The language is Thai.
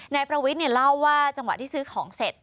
นายประวิทย์เล่าว่าจังหวะที่ซื้อของเสร็จ